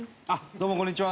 どうもこんにちは。